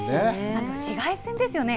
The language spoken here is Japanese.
あと紫外線ですよね。